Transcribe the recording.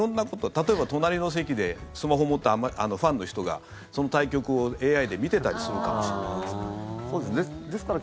例えば、隣の席でスマホを持ったファンの人がその対局をＡＩで見てたりするかもしれないですから。